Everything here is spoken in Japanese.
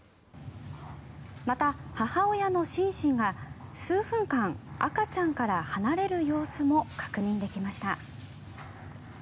また、母親のシンシンが数分間赤ちゃんから離れる様子も確認できました。